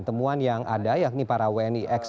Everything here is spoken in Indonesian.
temuan yang ada yakni para wni x